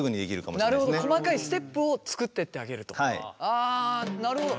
あなるほど。